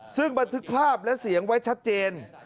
ซึ่งบันทึกภาพและเสียงไว้ชัดเจน